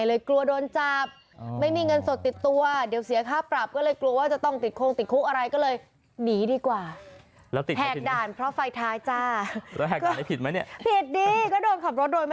เลยกลัวโดนจับไม่มีเงินสดติดตัวเดี๋ยวเสียภาพปรับ